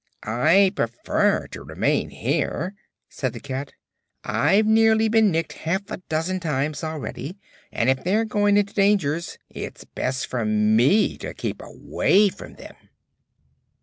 "I prefer to remain here," said the cat. "I've nearly been nicked half a dozen times, already, and if they're going into dangers it's best for me to keep away from them."